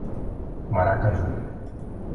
Maracaju